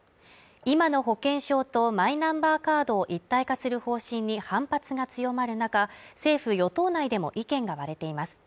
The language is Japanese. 今の保険証とマイナンバーカードを一体化する方針に反発が強まる中政府・与党内でも意見が割れています